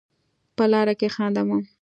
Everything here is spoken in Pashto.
په لاره کې خانده مه.